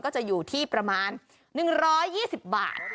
ก็จะอยู่ที่ประมาณ๑๒๐บาท